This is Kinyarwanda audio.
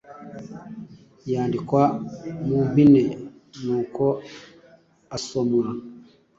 yandikwa mu mpine n’uko asomwa